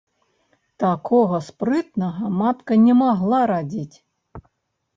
Такога спрытнага матка не магла радзіць.